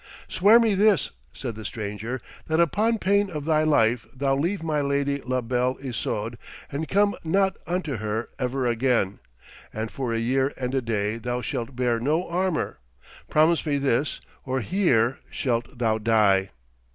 'Swear me this,' said the stranger, 'that upon pain of thy life thou leave my lady La Belle Isoude, and come not unto her ever again, and for a year and a day thou shalt bear no armour. Promise me this, or here shalt thou die!'